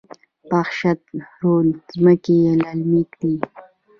پشت رود ځمکې للمي دي؟